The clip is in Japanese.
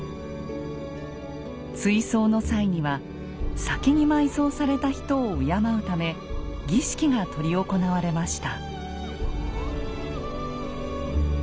追葬の際には先に埋葬された人を敬うため儀式が執り行われました。